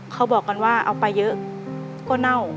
เขาบอกกันว่าเอาไปเยอะก็เน่า